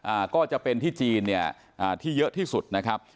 อ่าก็จะเป็นที่จีนเนี่ยอ่าที่เยอะที่สุดนะครับ